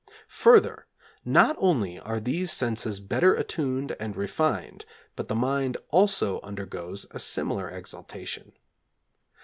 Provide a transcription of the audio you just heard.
Further, not only are these senses better attuned and refined, but the mind also undergoes a similar exaltation.